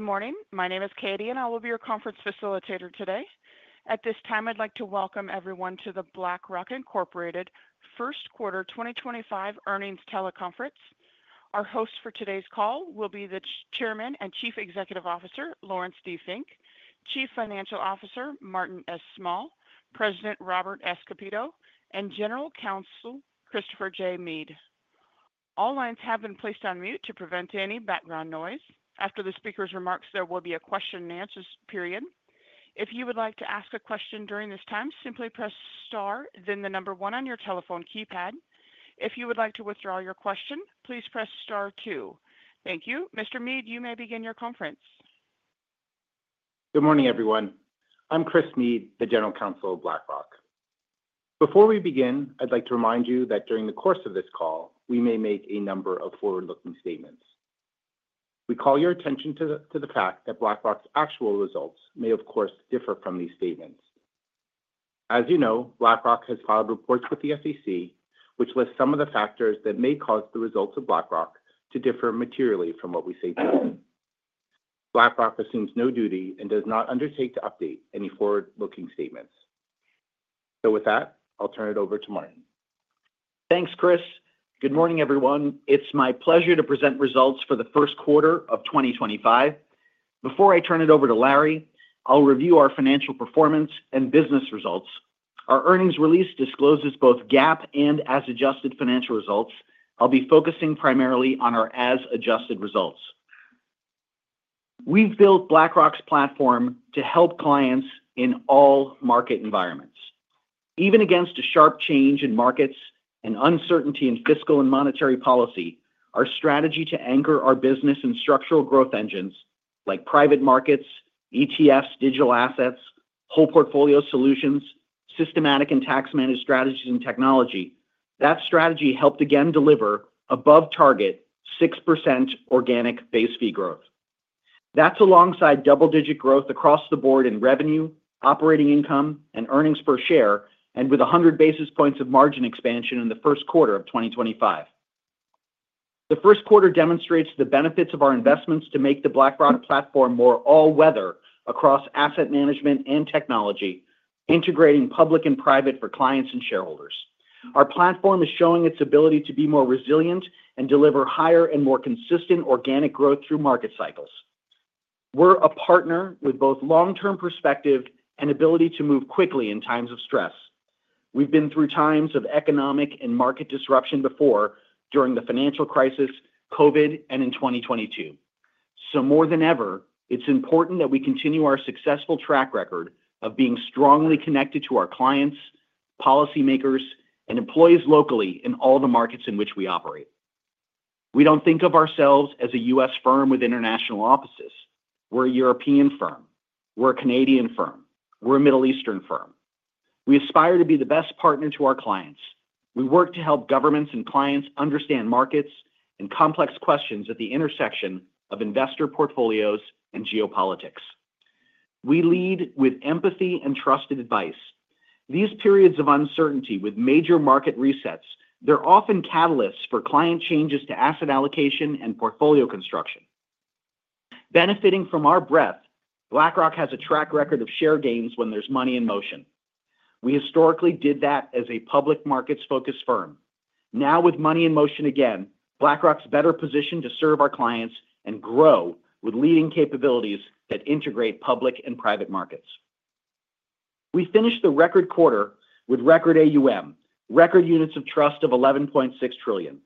Good morning. My name is Katie, and I will be your conference facilitator today. At this time, I'd like to welcome everyone to the BlackRock first quarter 2025 earnings teleconference. Our hosts for today's call will be the Chairman and Chief Executive Officer, Laurence D. Fink, Chief Financial Officer, Martin S. Small, President Robert S. Kapito, and General Counsel, Christopher J. Meade. All lines have been placed on mute to prevent any background noise. After the speaker's remarks, there will be a question and answer period. If you would like to ask a question during this time, simply press star, then the number one on your telephone keypad. If you would like to withdraw your question, please press star two. Thank you. Mr. Meade, you may begin your conference. Good morning, everyone. I'm Chris Meade, the General Counsel of BlackRock. Before we begin, I'd like to remind you that during the course of this call, we may make a number of forward-looking statements. We call your attention to the fact that BlackRock's actual results may, of course, differ from these statements. As you know, BlackRock has filed reports with the SEC, which list some of the factors that may cause the results of BlackRock to differ materially from what we say today. BlackRock assumes no duty and does not undertake to update any forward-looking statements. With that, I'll turn it over to Martin. Thanks, Chris. Good morning, everyone. It's my pleasure to present results for the first quarter of 2025. Before I turn it over to Larry, I'll review our financial performance and business results. Our earnings release discloses both GAAP and as-adjusted financial results. I'll be focusing primarily on our as-adjusted results. We've built BlackRock's platform to help clients in all market environments. Even against a sharp change in markets and uncertainty in fiscal and monetary policy, our strategy to anchor our business in structural growth engines like private markets, ETFs, digital assets, whole portfolio solutions, systematic and tax-managed strategies, and technology, that strategy helped again deliver above-target 6% organic base fee growth. That's alongside double-digit growth across the board in revenue, operating income, and earnings per share, and with 100 basis points of margin expansion in the first quarter of 2025. The first quarter demonstrates the benefits of our investments to make the BlackRock platform more all-weather across asset management and technology, integrating public and private for clients and shareholders. Our platform is showing its ability to be more resilient and deliver higher and more consistent organic growth through market cycles. We're a partner with both long-term perspective and ability to move quickly in times of stress. We've been through times of economic and market disruption before during the financial crisis, COVID, and in 2022. More than ever, it's important that we continue our successful track record of being strongly connected to our clients, policymakers, and employees locally in all the markets in which we operate. We don't think of ourselves as a U.S. firm with international offices. We're a European firm. We're a Canadian firm. We're a Middle Eastern firm. We aspire to be the best partner to our clients. We work to help governments and clients understand markets and complex questions at the intersection of investor portfolios and geopolitics. We lead with empathy and trusted advice. These periods of uncertainty with major market resets, they're often catalysts for client changes to asset allocation and portfolio construction. Benefiting from our breadth, BlackRock has a track record of share gains when there's money in motion. We historically did that as a public markets-focused firm. Now, with money in motion again, BlackRock's better positioned to serve our clients and grow with leading capabilities that integrate public and private markets. We finished the record quarter with record AUM, record units of trust of $11.6 trillion.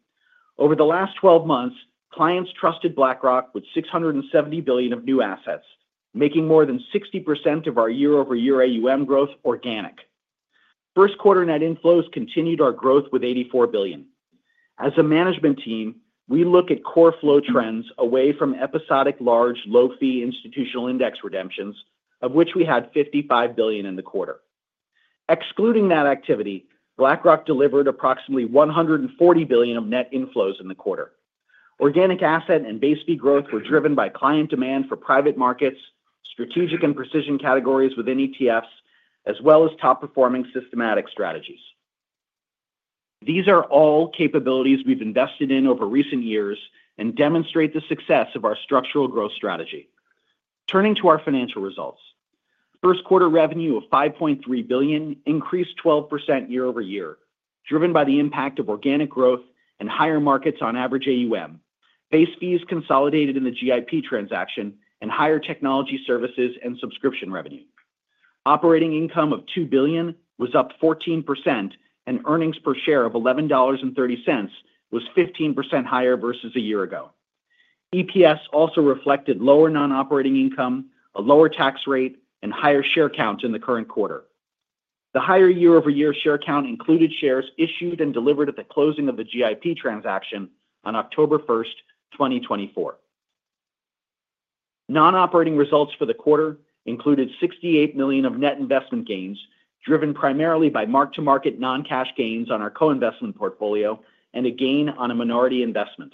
Over the last 12 months, clients trusted BlackRock with $670 billion of new assets, making more than 60% of our year-over-year AUM growth organic. First quarter net inflows continued our growth with $84 billion. As a management team, we look at core flow trends away from episodic large low-fee institutional index redemptions, of which we had $55 billion in the quarter. Excluding that activity, BlackRock delivered approximately $140 billion of net inflows in the quarter. Organic asset and base fee growth were driven by client demand for private markets, strategic and precision categories within ETFs, as well as top-performing systematic strategies. These are all capabilities we have invested in over recent years and demonstrate the success of our structural growth strategy. Turning to our financial results, first quarter revenue of $5.3 billion increased 12% year-over-year, driven by the impact of organic growth and higher markets on average AUM, base fees consolidated in the GIP transaction, and higher technology services and subscription revenue. Operating income of $2 billion was up 14%, and earnings per share of $11.30 was 15% higher versus a year ago. EPS also reflected lower non-operating income, a lower tax rate, and higher share count in the current quarter. The higher year-over-year share count included shares issued and delivered at the closing of the GIP transaction on October 1st, 2024. Non-operating results for the quarter included $68 million of net investment gains, driven primarily by mark-to-market non-cash gains on our co-investment portfolio and a gain on a minority investment.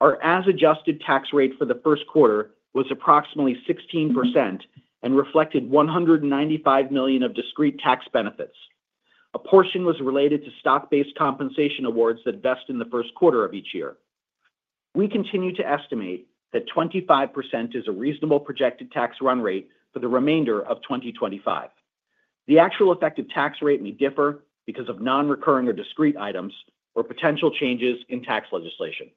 Our as-adjusted tax rate for the first quarter was approximately 16% and reflected $195 million of discrete tax benefits. A portion was related to stock-based compensation awards that vest in the first quarter of each year. We continue to estimate that 25% is a reasonable projected tax run rate for the remainder of 2025. The actual effective tax rate may differ because of non-recurring or discrete items or potential changes in tax legislation.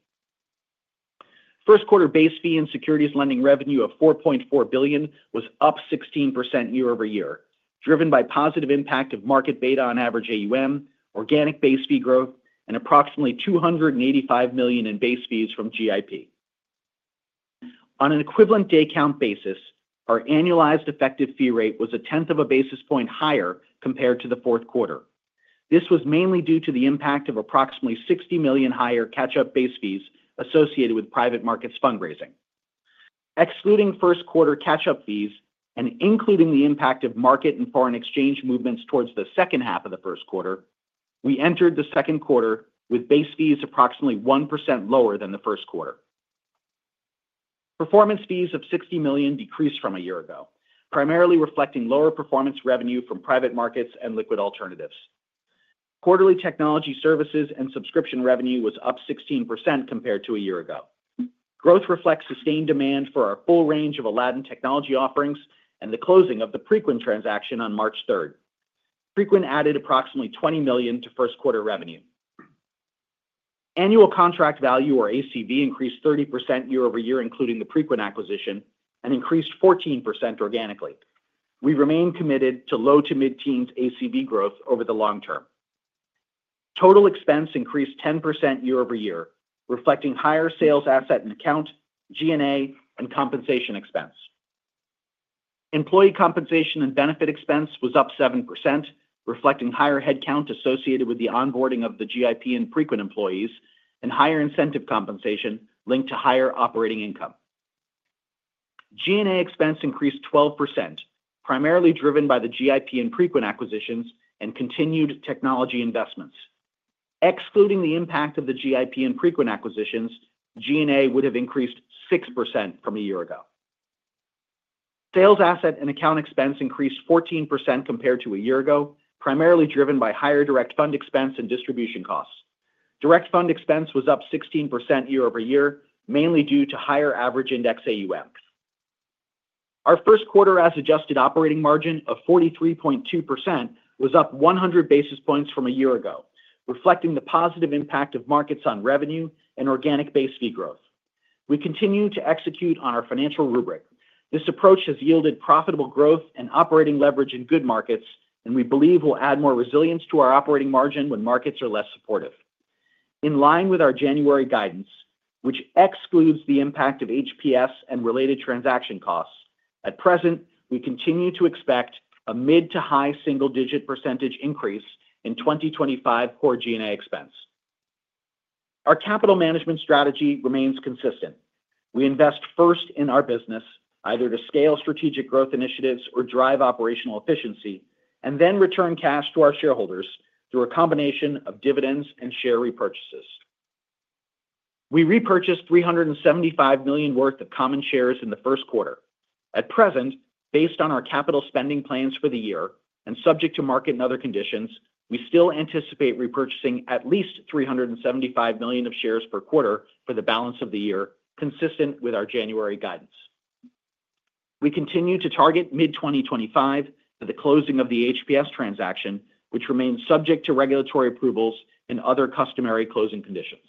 First quarter base fee and securities lending revenue of $4.4 billion was up 16% year-over-year, driven by positive impact of market beta on average AUM, organic base fee growth, and approximately $285 million in base fees from GIP. On an equivalent day-count basis, our annualized effective fee rate was a tenth of a basis point higher compared to the fourth quarter. This was mainly due to the impact of approximately $60 million higher catch-up base fees associated with private markets fundraising. Excluding first quarter catch-up fees and including the impact of market and foreign exchange movements towards the second half of the first quarter, we entered the second quarter with base fees approximately 1% lower than the first quarter. Performance fees of $60 million decreased from a year ago, primarily reflecting lower performance revenue from private markets and liquid alternatives. Quarterly technology services and subscription revenue was up 16% compared to a year ago. Growth reflects sustained demand for our full range of Aladdin technology offerings and the closing of the Preqin transaction on March 3rd. Preqin added approximately $20 million to first quarter revenue. Annual contract value, or ACV, increased 30% year-over-year, including the Preqin acquisition, and increased 14% organically. We remain committed to low to mid-teens ACV growth over the long term. Total expense increased 10% year-over-year, reflecting higher sales, asset, and account, G&A, and compensation expense. Employee compensation and benefit expense was up 7%, reflecting higher headcount associated with the onboarding of the GIP and Preqin employees and higher incentive compensation linked to higher operating income. G&A expense increased 12%, primarily driven by the GIP and Preqin acquisitions and continued technology investments. Excluding the impact of the GIP and Preqin acquisitions, G&A would have increased 6% from a year ago. sales, asset, and account expense increased 14% compared to a year ago, primarily driven by higher direct fund expense and distribution costs. Direct fund expense was up 16% year-over-year, mainly due to higher average index AUMs. Our first quarter as-adjusted operating margin of 43.2% was up 100 basis points from a year ago, reflecting the positive impact of markets on revenue and organic base fee growth. We continue to execute on our financial rubric. This approach has yielded profitable growth and operating leverage in good markets, and we believe will add more resilience to our operating margin when markets are less supportive. In line with our January guidance, which excludes the impact of HPS and related transaction costs, at present, we continue to expect a mid to high single-digit percentage increase in 2025 core G&A expense. Our capital management strategy remains consistent. We invest first in our business, either to scale strategic growth initiatives or drive operational efficiency, and then return cash to our shareholders through a combination of dividends and share repurchases. We repurchased $375 million worth of common shares in the first quarter. At present, based on our capital spending plans for the year and subject to market and other conditions, we still anticipate repurchasing at least $375 million of shares per quarter for the balance of the year, consistent with our January guidance. We continue to target mid-2025 to the closing of the HPS transaction, which remains subject to regulatory approvals and other customary closing conditions.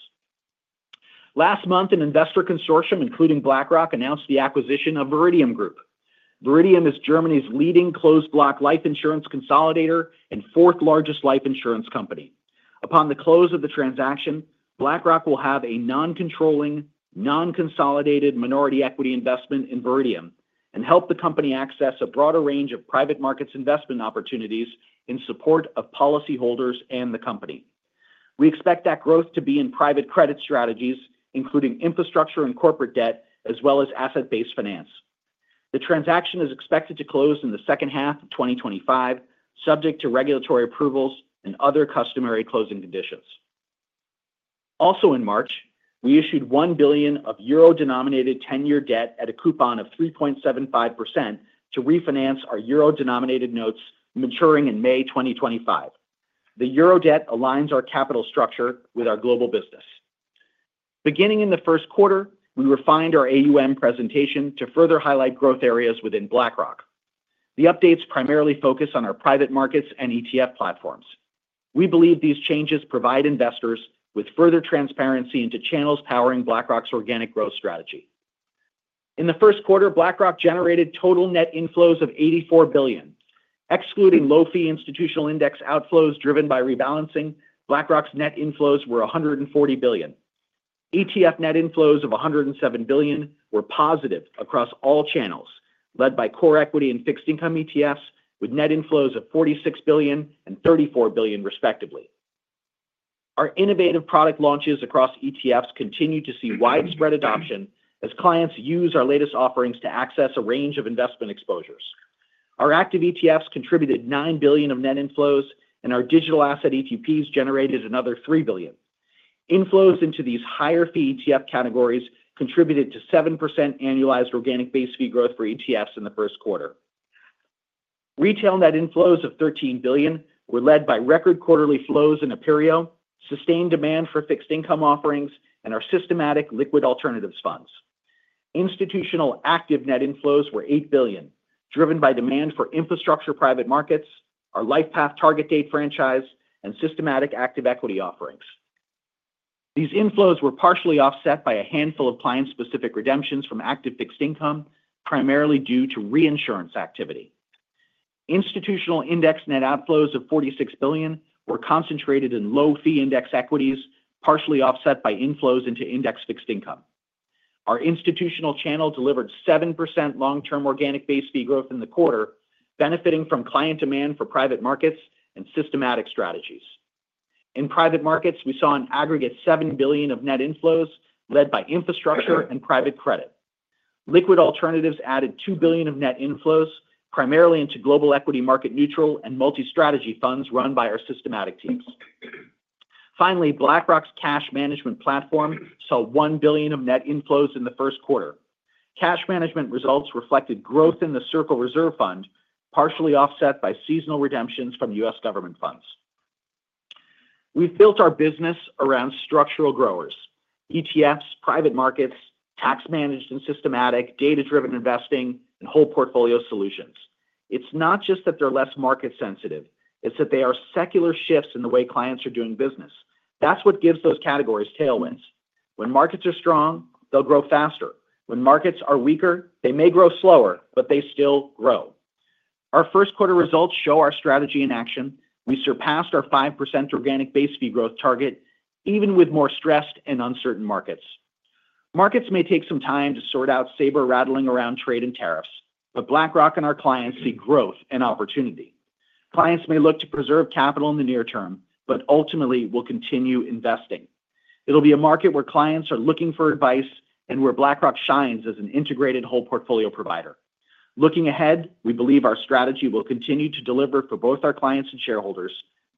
Last month, an investor consortium, including BlackRock, announced the acquisition of Viridium Group. Viridium is Germany's leading closed-block life insurance consolidator and fourth-largest life insurance company. Upon the close of the transaction, BlackRock will have a non-controlling, non-consolidated minority equity investment in Viridium and help the company access a broader range of private markets investment opportunities in support of policyholders and the company. We expect that growth to be in private credit strategies, including infrastructure and corporate debt, as well as asset-based finance. The transaction is expected to close in the second half of 2025, subject to regulatory approvals and other customary closing conditions. Also in March, we issued 1 billion of euro-denominated 10-year debt at a coupon of 3.75% to refinance our euro-denominated notes maturing in May 2025. The euro debt aligns our capital structure with our global business. Beginning in the first quarter, we refined our AUM presentation to further highlight growth areas within BlackRock. The updates primarily focus on our private markets and ETF platforms. We believe these changes provide investors with further transparency into channels powering BlackRock's organic growth strategy. In the first quarter, BlackRock generated total net inflows of $84 billion. Excluding low-fee institutional index outflows driven by rebalancing, BlackRock's net inflows were $140 billion. ETF net inflows of $107 billion were positive across all channels, led by core equity and fixed income ETFs, with net inflows of $46 billion and $34 billion, respectively. Our innovative product launches across ETFs continue to see widespread adoption as clients use our latest offerings to access a range of investment exposures. Our active ETFs contributed $9 billion of net inflows, and our digital asset ETPs generated another $3 billion. Inflows into these higher fee ETF categories contributed to 7% annualized organic base fee growth for ETFs in the first quarter. Retail net inflows of $13 billion were led by record quarterly flows in Aperio, sustained demand for fixed income offerings, and our systematic liquid alternatives funds. Institutional active net inflows were $8 billion, driven by demand for infrastructure private markets, our LifePath Target Date franchise, and Systematic Active Equity offerings. These inflows were partially offset by a handful of client-specific redemptions from active fixed income, primarily due to reinsurance activity. Institutional index net outflows of $46 billion were concentrated in low-fee index equities, partially offset by inflows into index fixed income. Our institutional channel delivered 7% long-term organic base fee growth in the quarter, benefiting from client demand for private markets and systematic strategies. In private markets, we saw an aggregate $7 billion of net inflows led by infrastructure and private credit. Liquid alternatives added $2 billion of net inflows, primarily into global equity market neutral and multi-strategy funds run by our systematic teams. Finally, BlackRock's cash management platform saw $1 billion of net inflows in the first quarter. Cash management results reflected growth in the Circle Reserve Fund, partially offset by seasonal redemptions from U.S. government funds. We've built our business around structural growers: ETFs, private markets, tax-managed and systematic, data-driven investing, and whole portfolio solutions. It's not just that they're less market-sensitive; it's that they are secular shifts in the way clients are doing business. That's what gives those categories tailwinds. When markets are strong, they'll grow faster. When markets are weaker, they may grow slower, but they still grow. Our first quarter results show our strategy in action. We surpassed our 5% organic base fee growth target, even with more stressed and uncertain markets. Markets may take some time to sort out saber rattling around trade and tariffs, but BlackRock and our clients see growth and opportunity. Clients may look to preserve capital in the near term, but ultimately will continue investing. It'll be a market where clients are looking for advice and where BlackRock shines as an integrated whole portfolio provider. Looking ahead, we believe our strategy will continue to deliver for both our clients and shareholders,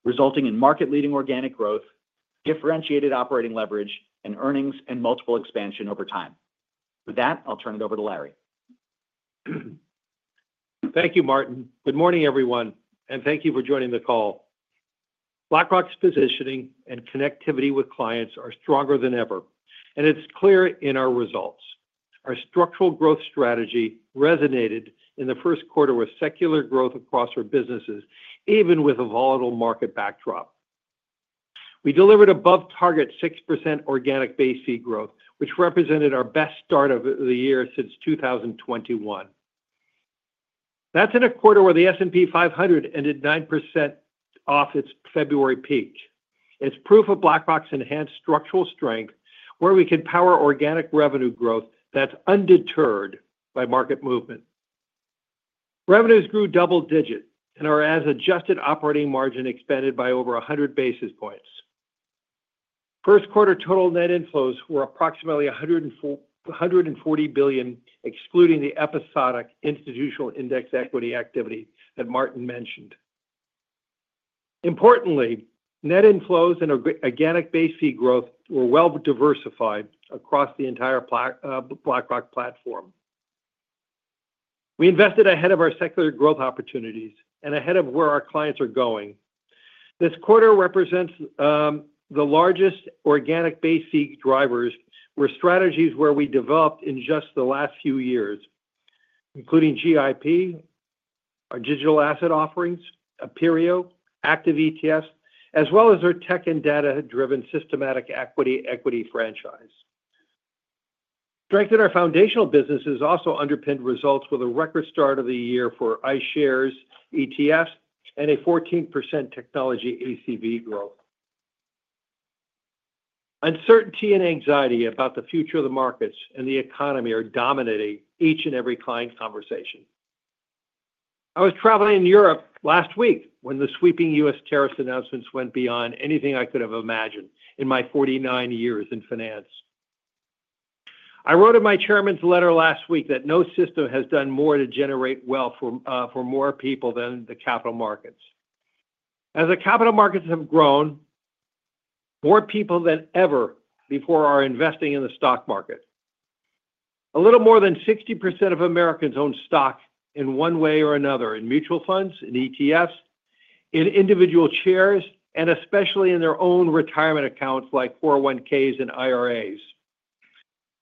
resulting in market-leading organic growth, differentiated operating leverage, and earnings and multiple expansion over time. With that, I'll turn it over to Larry. Thank you, Martin. Good morning, everyone, and thank you for joining the call. BlackRock's positioning and connectivity with clients are stronger than ever, and it's clear in our results. Our structural growth strategy resonated in the first quarter with secular growth across our businesses, even with a volatile market backdrop. We delivered above-target 6% organic base fee growth, which represented our best start of the year since 2021. That's in a quarter where the S&P 500 ended 9% off its February peak. It's proof of BlackRock's enhanced structural strength, where we can power organic revenue growth that's undeterred by market movement. Revenues grew double-digit and our as-adjusted operating margin expanded by over 100 basis points. First quarter total net inflows were approximately $140 billion, excluding the episodic institutional index equity activity that Martin mentioned. Importantly, net inflows and organic base fee growth were well-diversified across the entire BlackRock platform. We invested ahead of our secular growth opportunities and ahead of where our clients are going. This quarter represents the largest organic base fee drivers, where strategies we developed in just the last few years, including GIP, our digital asset offerings, Aperio, active ETFs, as well as our tech and data-driven systematic equity franchise. Strength in our foundational businesses also underpinned results with a record start of the year for iShares ETFs and a 14% technology ACV growth. Uncertainty and anxiety about the future of the markets and the economy are dominating each and every client conversation. I was traveling in Europe last week when the sweeping U.S. tariffs announcements went beyond anything I could have imagined in my 49 years in finance. I wrote in my chairman's letter last week that no system has done more to generate wealth for more people than the capital markets. As the capital markets have grown, more people than ever before are investing in the stock market. A little more than 60% of Americans own stock in one way or another: in mutual funds, in ETFs, in individual shares, and especially in their own retirement accounts like 401(k)s and IRAs.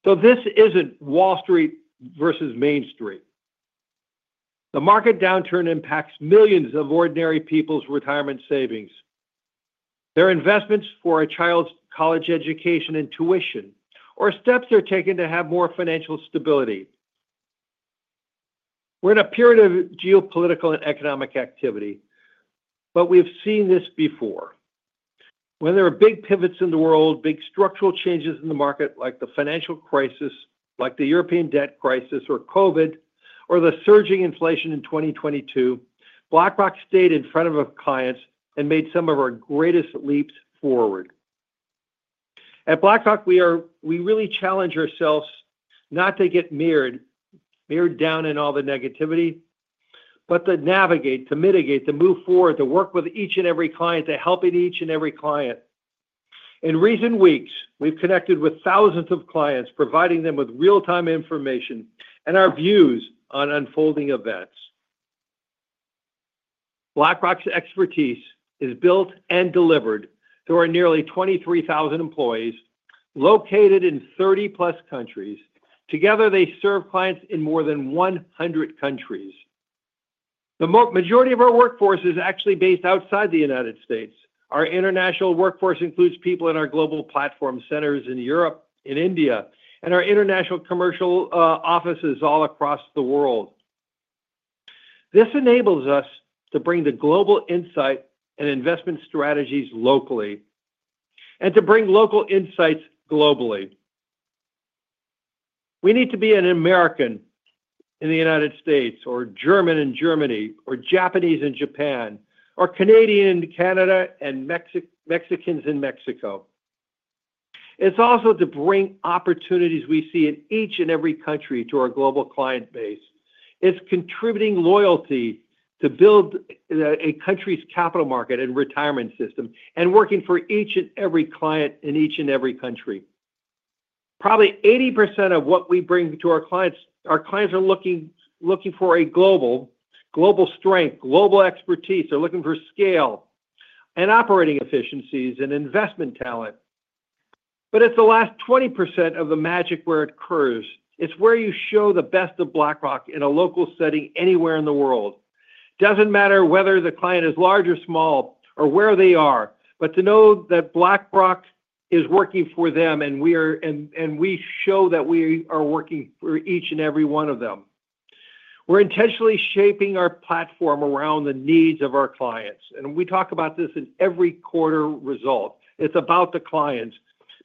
This is not Wall Street versus Main Street. The market downturn impacts millions of ordinary people's retirement savings, their investments for a child's college education and tuition, or steps they are taking to have more financial stability. We are in a period of geopolitical and economic activity, but we have seen this before. When there are big pivots in the world, big structural changes in the market, like the financial crisis, like the European debt crisis or COVID, or the surging inflation in 2022, BlackRock stayed in front of our clients and made some of our greatest leaps forward. At BlackRock, we really challenge ourselves not to get mired down in all the negativity, but to navigate, to mitigate, to move forward, to work with each and every client, to help each and every client. In recent weeks, we've connected with thousands of clients, providing them with real-time information and our views on unfolding events. BlackRock's expertise is built and delivered through our nearly 23,000 employees located in 30-plus countries. Together, they serve clients in more than 100 countries. The majority of our workforce is actually based outside the U.S. Our international workforce includes people in our global platform centers in Europe, in India, and our international commercial offices all across the world. This enables us to bring the global insight and investment strategies locally and to bring local insights globally. We need to be an American in the United States, or German in Germany, or Japanese in Japan, or Canadian in Canada, and Mexicans in Mexico. It's also to bring opportunities we see in each and every country to our global client base. It's contributing loyalty to build a country's capital market and retirement system and working for each and every client in each and every country. Probably 80% of what we bring to our clients, our clients are looking for a global strength, global expertise. They're looking for scale and operating efficiencies and investment talent. It's the last 20% of the magic where it occurs. It's where you show the best of BlackRock in a local setting anywhere in the world. It doesn't matter whether the client is large or small or where they are, but to know that BlackRock is working for them and we show that we are working for each and every one of them. We're intentionally shaping our platform around the needs of our clients. We talk about this in every quarter result. It's about the clients.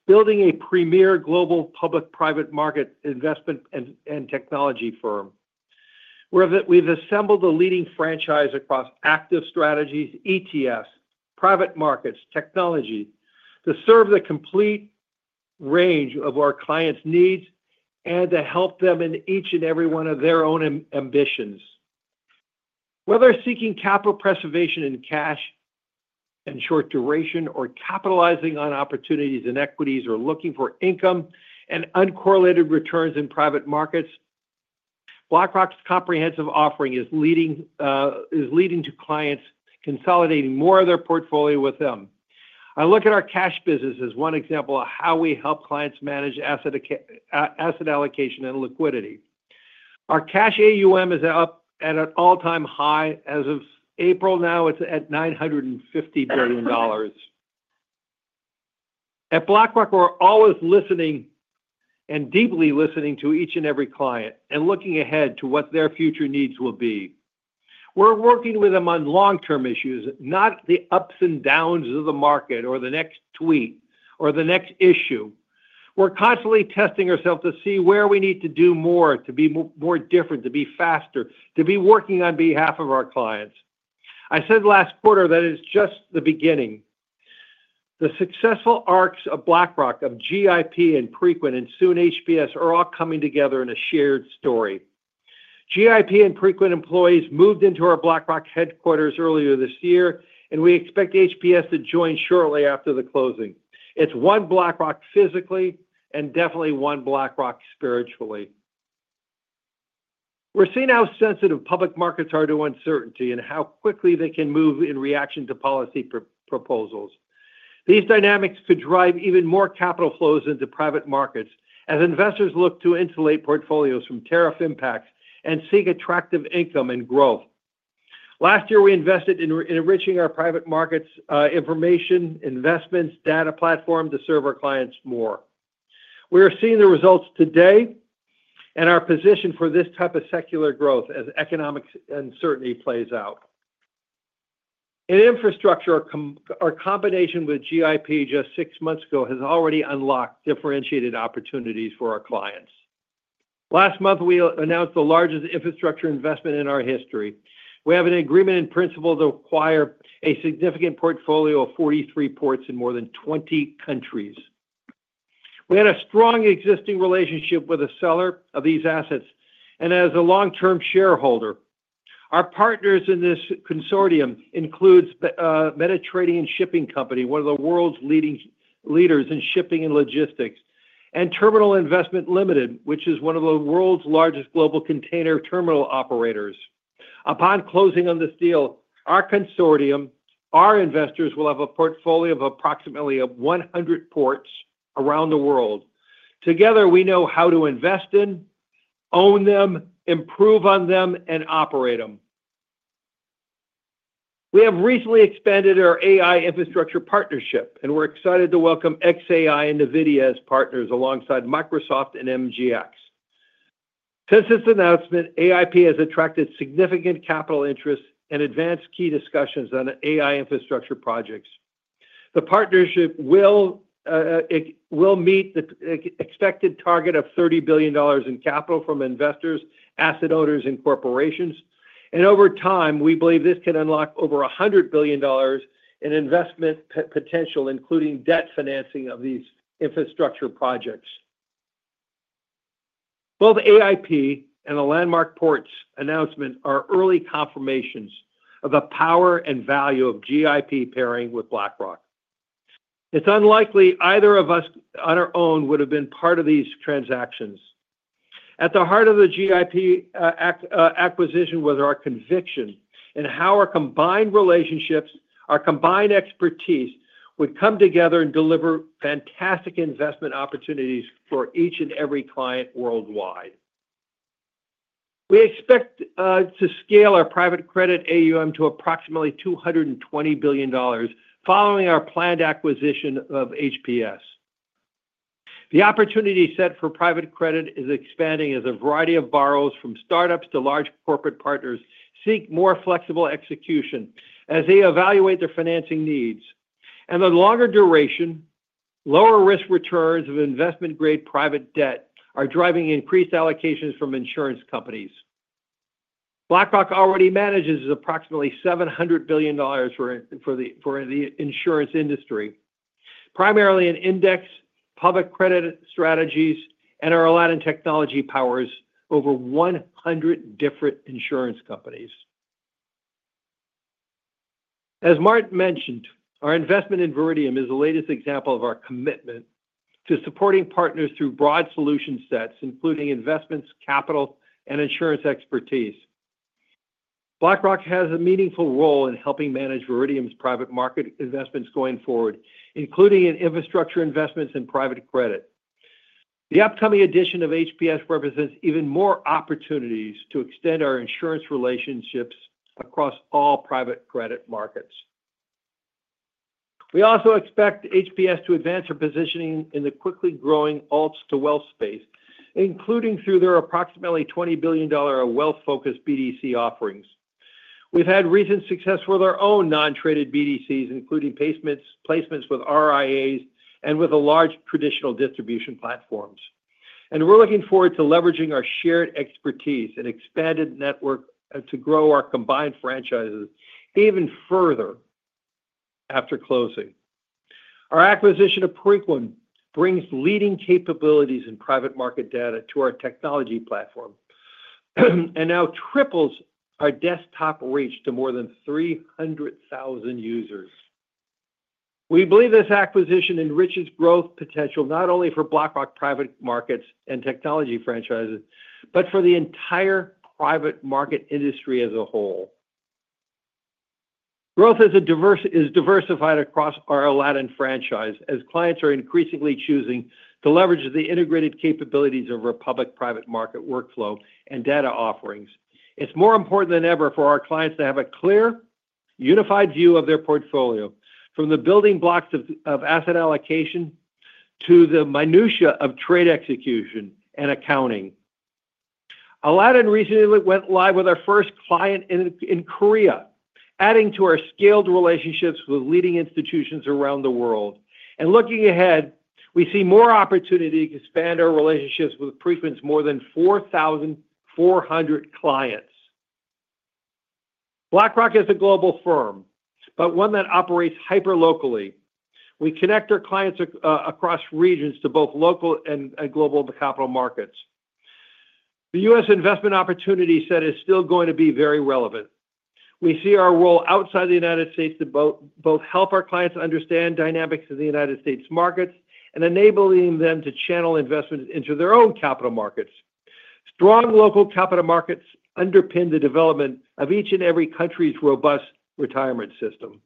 Building a premier global public-private market investment and technology firm. We've assembled a leading franchise across active strategies, ETFs, private markets, technology to serve the complete range of our clients' needs and to help them in each and every one of their own ambitions. Whether seeking capital preservation in cash and short duration or capitalizing on opportunities in equities or looking for income and uncorrelated returns in private markets, BlackRock's comprehensive offering is leading to clients consolidating more of their portfolio with them. I look at our cash business as one example of how we help clients manage asset allocation and liquidity. Our cash AUM is up at an all-time high. As of April now, it's at $950 billion. At BlackRock, we're always listening and deeply listening to each and every client and looking ahead to what their future needs will be. We're working with them on long-term issues, not the ups and downs of the market or the next tweet or the next issue. We're constantly testing ourselves to see where we need to do more to be more different, to be faster, to be working on behalf of our clients. I said last quarter that it's just the beginning. The successful arcs of BlackRock, of GIP and Preqin, and soon HPS are all coming together in a shared story. GIP and Preqin employees moved into our BlackRock headquarters earlier this year, and we expect HPS to join shortly after the closing. It's one BlackRock physically and definitely one BlackRock spiritually. We're seeing how sensitive public markets are to uncertainty and how quickly they can move in reaction to policy proposals. These dynamics could drive even more capital flows into private markets as investors look to insulate portfolios from tariff impacts and seek attractive income and growth. Last year, we invested in enriching our private markets' information, investments, data platform to serve our clients more. We are seeing the results today and our position for this type of secular growth as economic uncertainty plays out. In infrastructure, our combination with GIP just six months ago has already unlocked differentiated opportunities for our clients. Last month, we announced the largest infrastructure investment in our history. We have an agreement in principle to acquire a significant portfolio of 43 ports in more than 20 countries. We had a strong existing relationship with a seller of these assets and as a long-term shareholder. Our partners in this consortium include Mediterranean Shipping Company, one of the world's leading leaders in shipping and logistics, and Terminal Investment Limited, which is one of the world's largest global container terminal operators. Upon closing on this deal, our consortium, our investors will have a portfolio of approximately 100 ports around the world. Together, we know how to invest in, own them, improve on them, and operate them. We have recently expanded our AI infrastructure partnership, and we're excited to welcome xAI and NVIDIA as partners alongside Microsoft and MGX. Since its announcement, AIP has attracted significant capital interest and advanced key discussions on AI infrastructure projects. The partnership will meet the expected target of $30 billion in capital from investors, asset owners, and corporations. Over time, we believe this can unlock over $100 billion in investment potential, including debt financing of these infrastructure projects. Both AIP and the landmark ports announcement are early confirmations of the power and value of GIP pairing with BlackRock. It's unlikely either of us on our own would have been part of these transactions. At the heart of the GIP acquisition was our conviction and how our combined relationships, our combined expertise would come together and deliver fantastic investment opportunities for each and every client worldwide. We expect to scale our private credit AUM to approximately $220 billion following our planned acquisition of HPS. The opportunity set for private credit is expanding as a variety of borrowers, from startups to large corporate partners, seek more flexible execution as they evaluate their financing needs. The longer duration, lower risk returns of investment-grade private debt are driving increased allocations from insurance companies. BlackRock already manages approximately $700 billion for the insurance industry, primarily in index, public credit strategies, and our Aladdin technology powers over 100 different insurance companies. As Martin mentioned, our investment in Viridium is the latest example of our commitment to supporting partners through broad solution sets, including investments, capital, and insurance expertise. BlackRock has a meaningful role in helping manage Viridium's private market investments going forward, including in infrastructure investments and private credit. The upcoming addition of HPS represents even more opportunities to extend our insurance relationships across all private credit markets. We also expect HPS to advance our positioning in the quickly growing alts to wealth space, including through their approximately $20 billion of wealth-focused BDC offerings. We have had recent success with our own non-traded BDCs, including placements with RIAs and with large traditional distribution platforms. We are looking forward to leveraging our shared expertise and expanded network to grow our combined franchises even further after closing. Our acquisition of Preqin brings leading capabilities in private market data to our technology platform and now triples our desktop reach to more than 300,000 users. We believe this acquisition enriches growth potential not only for BlackRock private markets and technology franchises, but for the entire private market industry as a whole. Growth is diversified across our Aladdin franchise as clients are increasingly choosing to leverage the integrated capabilities of our public private market workflow and data offerings. It is more important than ever for our clients to have a clear, unified view of their portfolio, from the building blocks of asset allocation to the minutia of trade execution and accounting. Aladdin recently went live with our first client in Korea, adding to our scaled relationships with leading institutions around the world. Looking ahead, we see more opportunity to expand our relationships with Preqin's more than 4,400 clients. BlackRock is a global firm, but one that operates hyper-locally. We connect our clients across regions to both local and global capital markets. The U.S. investment opportunity set is still going to be very relevant. We see our role outside the U.S. to both help our clients understand dynamics of the U.S. markets and enabling them to channel investments into their own capital markets. Strong local capital markets underpin the development of each and every country's robust retirement system.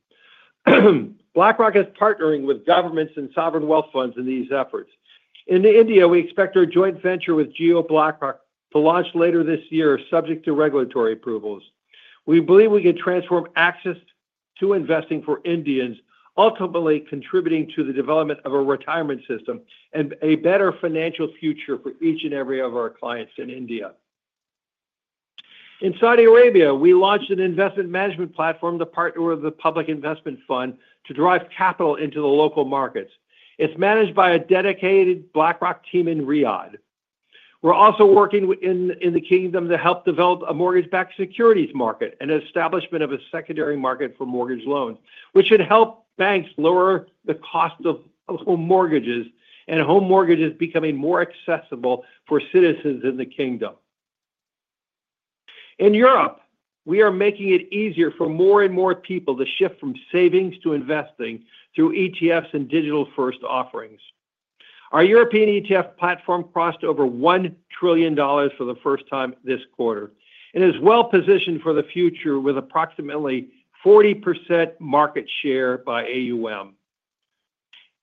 BlackRock is partnering with governments and sovereign wealth funds in these efforts. In India, we expect our joint venture with Jio BlackRock to launch later this year, subject to regulatory approvals. We believe we can transform access to investing for Indians, ultimately contributing to the development of a retirement system and a better financial future for each and every one of our clients in India. In Saudi Arabia, we launched an investment management platform to partner with the Public Investment Fund to drive capital into the local markets. It is managed by a dedicated BlackRock team in Riyadh. We're also working in the kingdom to help develop a mortgage-backed securities market and establishment of a secondary market for mortgage loans, which should help banks lower the cost of home mortgages and home mortgages becoming more accessible for citizens in the kingdom. In Europe, we are making it easier for more and more people to shift from savings to investing through ETFs and digital-first offerings. Our European ETF platform crossed over $1 trillion for the first time this quarter and is well positioned for the future with approximately 40% market share by AUM.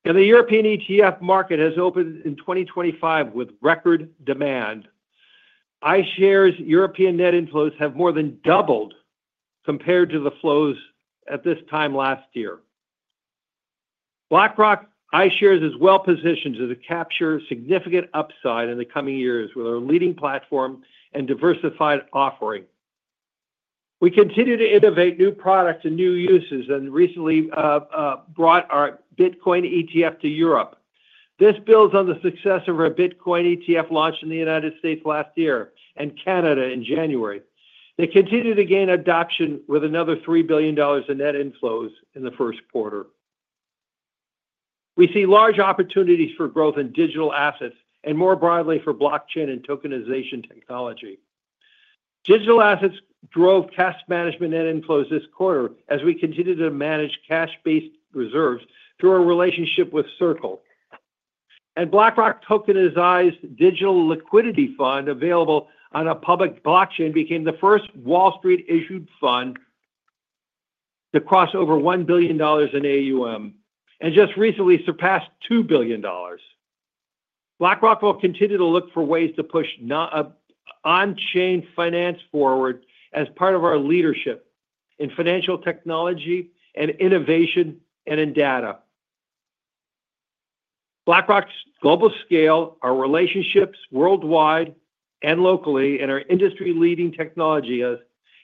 The European ETF market has opened in 2025 with record demand. iShares' European net inflows have more than doubled compared to the flows at this time last year. BlackRock iShares is well positioned to capture significant upside in the coming years with our leading platform and diversified offering. We continue to innovate new products and new uses and recently brought our Bitcoin ETF to Europe. This builds on the success of our Bitcoin ETF launched in the United States last year and Canada in January. They continue to gain adoption with another $3 billion in net inflows in the first quarter. We see large opportunities for growth in digital assets and more broadly for blockchain and tokenization technology. Digital assets drove cash management net inflows this quarter as we continue to manage cash-based reserves through our relationship with Circle. BlackRock Tokenized Digital Liquidity Fund available on a public blockchain became the first Wall Street-issued fund to cross over $1 billion in AUM and just recently surpassed $2 billion. BlackRock will continue to look for ways to push on-chain finance forward as part of our leadership in financial technology and innovation and in data. BlackRock's global scale, our relationships worldwide and locally, and our industry-leading technology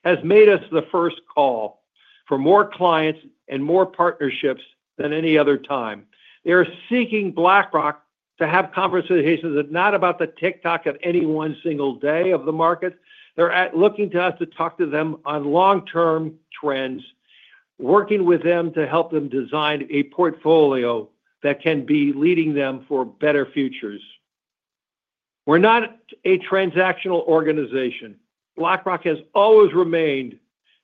has made us the first call for more clients and more partnerships than any other time. They are seeking BlackRock to have conversations that are not about the tick-tock of any one single day of the market. They're looking to us to talk to them on long-term trends, working with them to help them design a portfolio that can be leading them for better futures. We're not a transactional organization. BlackRock has always remained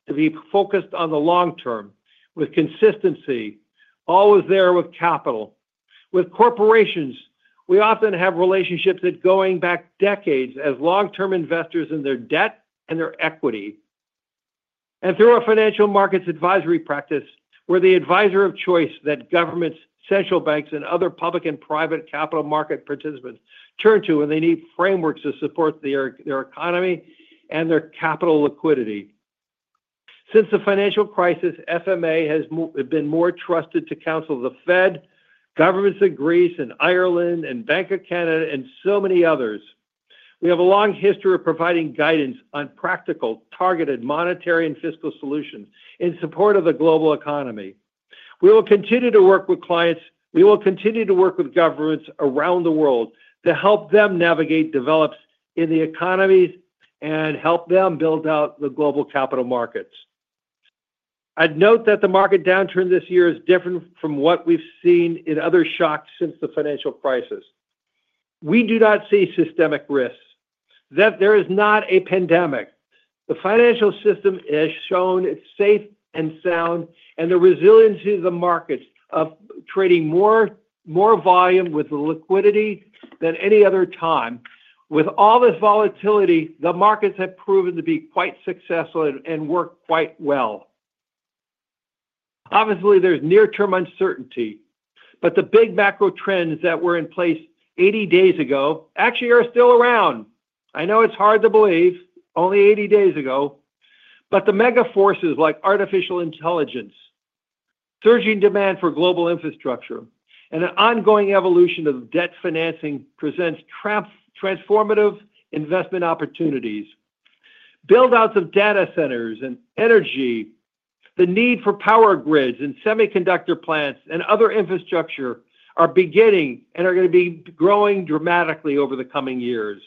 to be focused on the long-term with consistency, always there with capital. With corporations, we often have relationships that go back decades as long-term investors in their debt and their equity. Through our financial markets advisory practice, we are the advisor of choice that governments, central banks, and other public and private capital market participants turn to when they need frameworks to support their economy and their capital liquidity. Since the financial crisis, FMA has been more trusted to counsel the Fed, governments in Greece and Ireland, and Bank of Canada, and so many others. We have a long history of providing guidance on practical, targeted monetary and fiscal solutions in support of the global economy. We will continue to work with clients. We will continue to work with governments around the world to help them navigate developments in the economies and help them build out the global capital markets. I would note that the market downturn this year is different from what we have seen in other shocks since the financial crisis. We do not see systemic risks. There is not a pandemic. The financial system has shown it is safe and sound and the resiliency of the markets of trading more volume with liquidity than any other time. With all this volatility, the markets have proven to be quite successful and work quite well. Obviously, there is near-term uncertainty, but the big macro trends that were in place 80 days ago actually are still around. I know it is hard to believe only 80 days ago, but the mega forces like artificial intelligence, surging demand for global infrastructure, and an ongoing evolution of debt financing present transformative investment opportunities. Build-outs of data centers and energy, the need for power grids and semiconductor plants, and other infrastructure are beginning and are going to be growing dramatically over the coming years.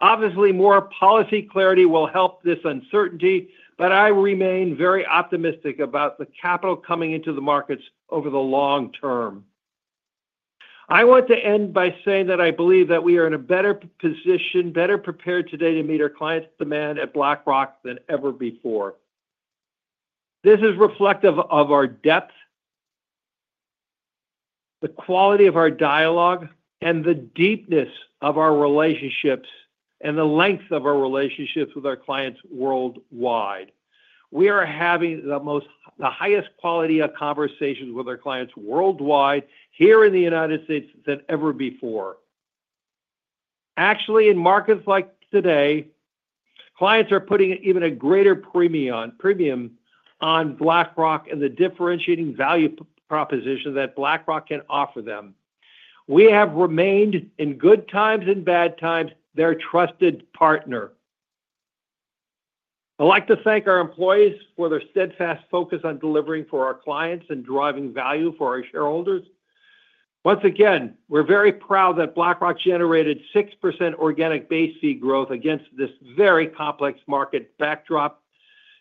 Obviously, more policy clarity will help this uncertainty, but I remain very optimistic about the capital coming into the markets over the long term. I want to end by saying that I believe that we are in a better position, better prepared today to meet our clients' demand at BlackRock than ever before. This is reflective of our depth, the quality of our dialogue, and the deepness of our relationships and the length of our relationships with our clients worldwide. We are having the highest quality of conversations with our clients worldwide here in the United States than ever before. Actually, in markets like today, clients are putting even a greater premium on BlackRock and the differentiating value proposition that BlackRock can offer them. We have remained in good times and bad times their trusted partner. I'd like to thank our employees for their steadfast focus on delivering for our clients and driving value for our shareholders. Once again, we're very proud that BlackRock generated 6% organic base fee growth against this very complex market backdrop,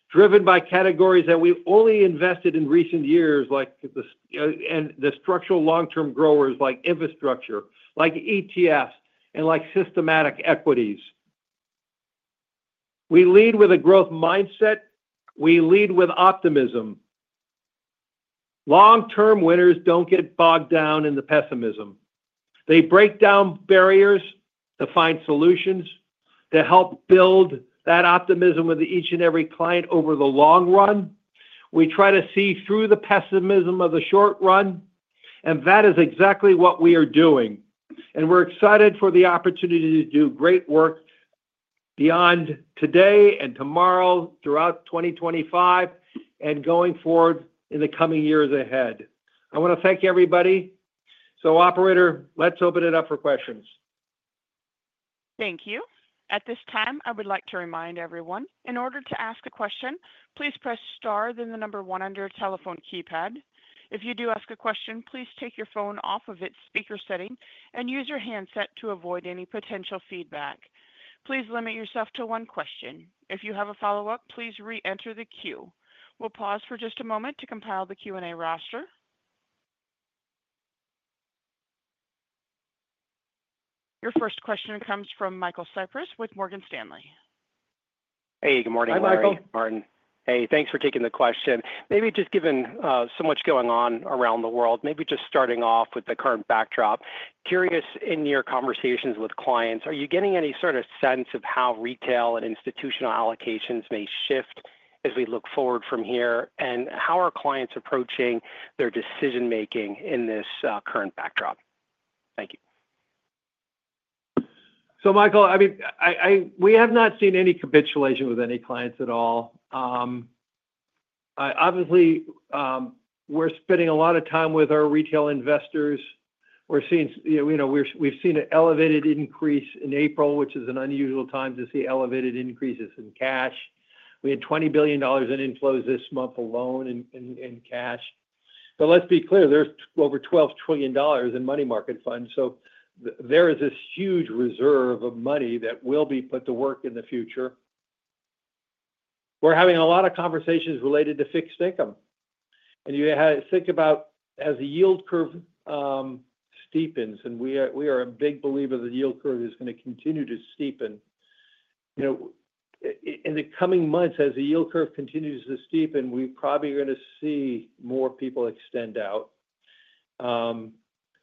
driven by categories that we've only invested in recent years, like the structural long-term growers, like infrastructure, like ETFs, and like systematic equities. We lead with a growth mindset. We lead with optimism. Long-term winners don't get bogged down in the pessimism. They break down barriers to find solutions to help build that optimism with each and every client over the long run. We try to see through the pessimism of the short run, and that is exactly what we are doing. We're excited for the opportunity to do great work beyond today and tomorrow throughout 2025 and going forward in the coming years ahead. I want to thank everybody. Operator, let's open it up for questions. Thank you. At this time, I would like to remind everyone, in order to ask a question, please press star, then the number one on your telephone keypad. If you do ask a question, please take your phone off of its speaker setting and use your handset to avoid any potential feedback. Please limit yourself to one question. If you have a follow-up, please re-enter the queue. We'll pause for just a moment to compile the Q&A roster. Your first question comes from Michael Cyprys with Morgan Stanley. Hey, good morning, Larry and Martin. Hi, Michael. Hey, thanks for taking the question. Maybe just given so much going on around the world, maybe just starting off with the current backdrop, curious in your conversations with clients, are you getting any sort of sense of how retail and institutional allocations may shift as we look forward from here and how are clients approaching their decision-making in this current backdrop? Thank you. Michael, I mean, we have not seen any capitulation with any clients at all. Obviously, we're spending a lot of time with our retail investors. We've seen an elevated increase in April, which is an unusual time to see elevated increases in cash. We had $20 billion in inflows this month alone in cash. Let's be clear, there's over $12 trillion in money market funds. There is this huge reserve of money that will be put to work in the future. We're having a lot of conversations related to fixed income. You think about as the yield curve steepens, and we are a big believer that the yield curve is going to continue to steepen. In the coming months, as the yield curve continues to steepen, we probably are going to see more people extend out.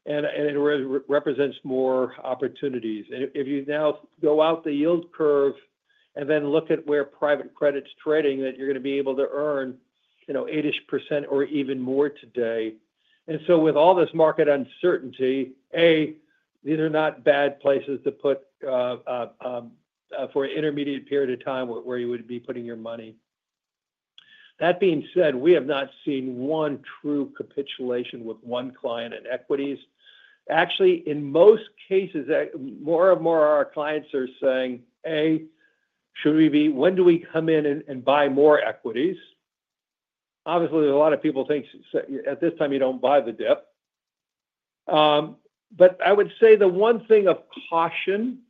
It represents more opportunities. If you now go out the yield curve and then look at where private credit's trading, you're going to be able to earn 80% or even more today. With all this market uncertainty, A, these are not bad places to put for an intermediate period of time where you would be putting your money. That being said, we have not seen one true capitulation with one client in equities. Actually, in most cases, more and more of our clients are saying, A, should we be, when do we come in and buy more equities? Obviously, a lot of people think at this time you do not buy the dip. I would say the one thing of caution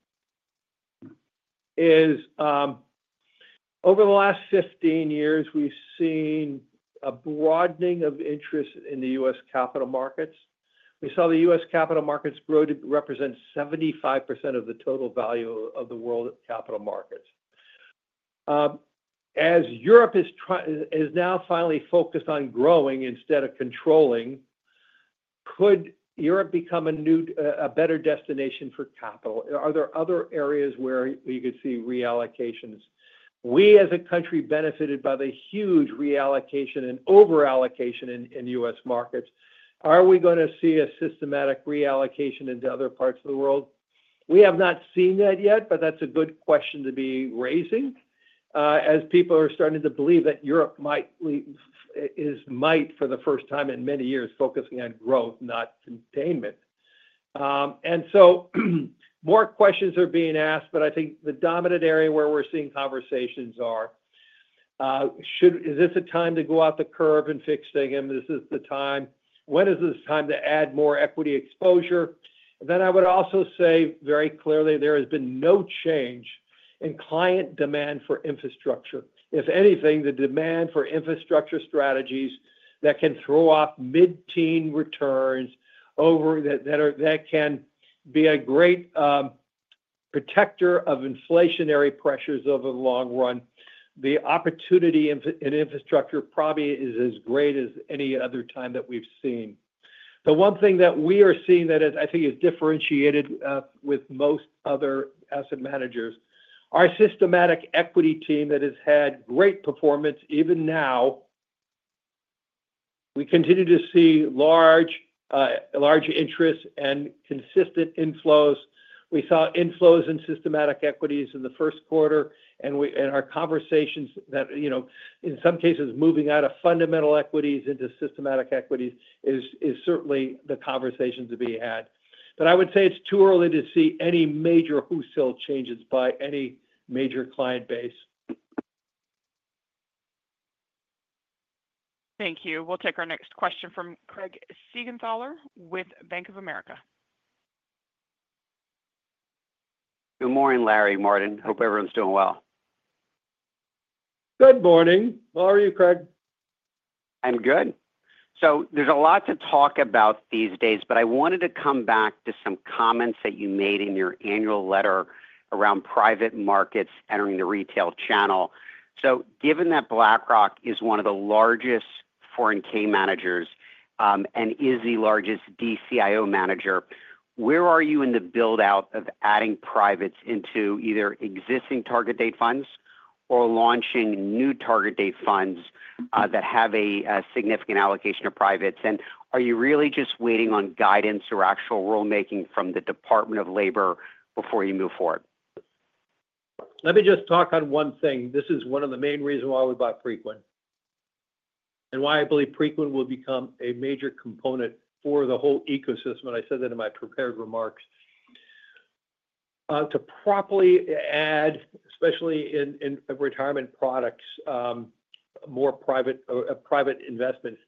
is over the last 15 years, we have seen a broadening of interest in the U.S. capital markets. We saw the U.S. capital markets grow to represent 75% of the total value of the world capital markets. As Europe is now finally focused on growing instead of controlling, could Europe become a better destination for capital? Are there other areas where you could see reallocations? We, as a country, benefited by the huge reallocation and overallocation in U.S. markets. Are we going to see a systematic reallocation into other parts of the world? We have not seen that yet, but that's a good question to be raising as people are starting to believe that Europe might, for the first time in many years, focus on growth, not containment. More questions are being asked, but I think the dominant area where we're seeing conversations is, is this a time to go out the curve and fix things? Is this the time? When is this time to add more equity exposure? I would also say very clearly there has been no change in client demand for infrastructure. If anything, the demand for infrastructure strategies that can throw off mid-teen returns that can be a great protector of inflationary pressures over the long run, the opportunity in infrastructure probably is as great as any other time that we've seen. The one thing that we are seeing that I think is differentiated with most other asset managers, our systematic equity team that has had great performance even now. We continue to see large interests and consistent inflows. We saw inflows in systematic equities in the first quarter and our conversations that in some cases moving out of fundamental equities into systematic equities is certainly the conversations to be had. I would say it's too early to see any major wholesale changes by any major client base. Thank you. We'll take our next question from Craig Siegenthaler with Bank of America. Good morning, Larry. Martin, hope everyone's doing well. Good morning. How are you, Craig? I'm good. There is a lot to talk about these days, but I wanted to come back to some comments that you made in your annual letter around private markets entering the retail channel. Given that BlackRock is one of the largest foreign key managers and is the largest DCIO manager, where are you in the build-out of adding privates into either existing target date funds or launching new target date funds that have a significant allocation of privates? Are you really just waiting on guidance or actual rulemaking from the Department of Labor before you move forward? Let me just talk on one thing. This is one of the main reasons why we bought Preqin and why I believe Preqin will become a major component for the whole ecosystem. I said that in my prepared remarks. To properly add, especially in retirement products, more private investments,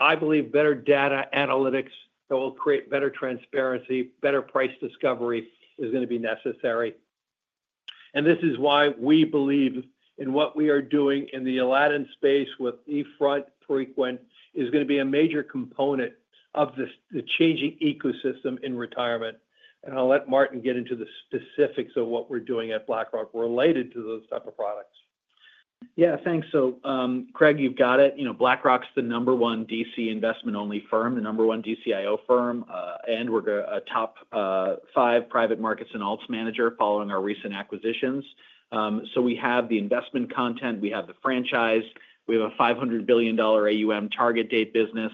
I believe better data analytics that will create better transparency, better price discovery is going to be necessary. This is why we believe in what we are doing in the Aladdin space with eFront, Preqin is going to be a major component of the changing ecosystem in retirement. I'll let Martin get into the specifics of what we're doing at BlackRock related to those types of products. Yeah, thanks. Craig, you've got it. BlackRock's the number one DC Investment Only firm, the number one DCIO firm, and we're a top five private markets and alts manager following our recent acquisitions. We have the investment content, we have the franchise, we have a $500 billion AUM target date business.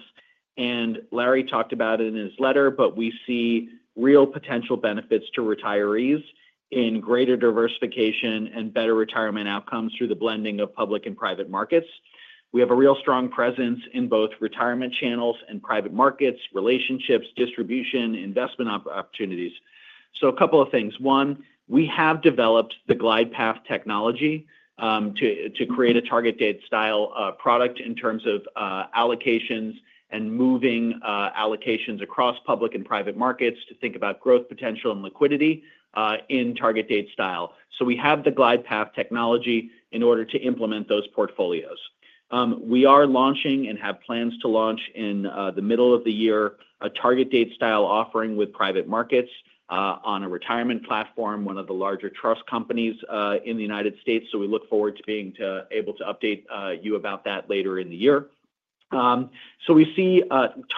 Larry talked about it in his letter, but we see real potential benefits to retirees in greater diversification and better retirement outcomes through the blending of public and private markets. We have a real strong presence in both retirement channels and private markets, relationships, distribution, investment opportunities. A couple of things. One, we have developed the glide path technology to create a target date style product in terms of allocations and moving allocations across public and private markets to think about growth potential and liquidity in target date style. We have the glide path technology in order to implement those portfolios. We are launching and have plans to launch in the middle of the year a target date style offering with private markets on a retirement platform, one of the larger trust companies in the United States. We look forward to being able to update you about that later in the year. We see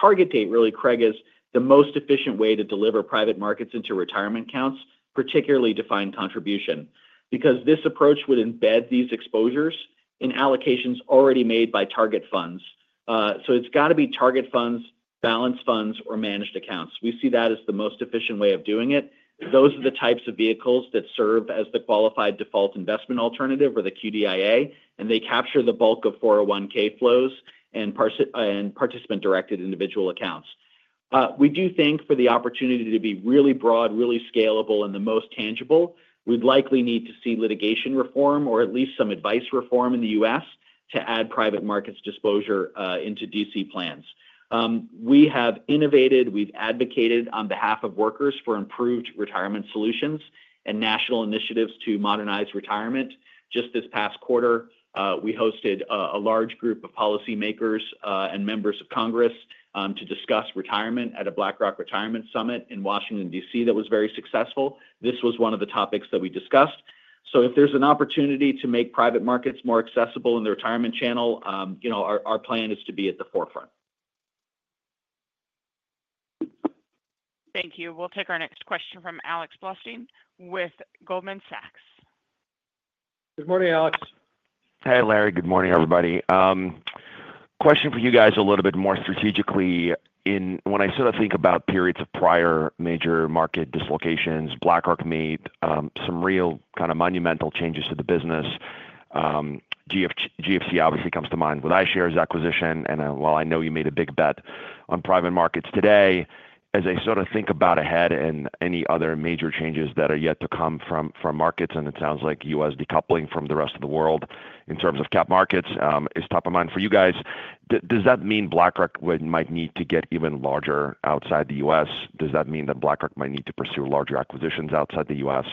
target date, really, Craig, is the most efficient way to deliver private markets into retirement accounts, particularly defined contribution, because this approach would embed these exposures in allocations already made by target funds. It has to be target funds, balance funds, or managed accounts. We see that as the most efficient way of doing it. Those are the types of vehicles that serve as the qualified default investment alternative or the QDIA, and they capture the bulk of 401(k) flows and participant-directed individual accounts. We do think for the opportunity to be really broad, really scalable, and the most tangible, we would likely need to see litigation reform or at least some advice reform in the U.S. to add private markets' disclosure into DC plans. We have innovated. We have advocated on behalf of workers for improved retirement solutions and national initiatives to modernize retirement. Just this past quarter, we hosted a large group of policymakers and members of Congress to discuss retirement at a BlackRock Retirement Summit in Washington, DC that was very successful. This was one of the topics that we discussed. If there is an opportunity to make private markets more accessible in the retirement channel, our plan is to be at the forefront. Thank you. We'll take our next question from Alex Blostein with Goldman Sachs. Good morning, Alex. Hey, Larry. Good morning, everybody. Question for you guys a little bit more strategically. When I sort of think about periods of prior major market dislocations, BlackRock made some real kind of monumental changes to the business. GFC obviously comes to mind with iShares acquisition. While I know you made a big bet on private markets today, as I sort of think about ahead and any other major changes that are yet to come from markets, and it sounds like U.S. decoupling from the rest of the world in terms of cap markets is top of mind for you guys. Does that mean BlackRock might need to get even larger outside the U.S.? Does that mean that BlackRock might need to pursue larger acquisitions outside the U.S.?